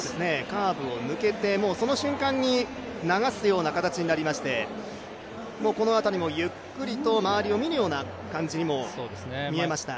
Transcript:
カーブを抜けてその瞬間に流すような形になりましてゆっくりと周りを見るような感じにも見えました